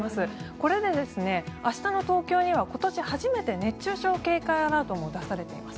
これで明日の東京には今年初めて熱中症警戒アラートも出されています。